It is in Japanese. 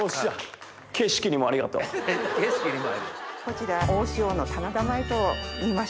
こちら大塩の棚田米といいまして。